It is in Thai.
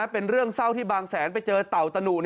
เป็นเรื่องเศร้าที่บางแสนไปเจอเต่าตะหนุ